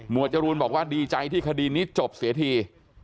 จรูนบอกว่าดีใจที่คดีนี้จบเสียที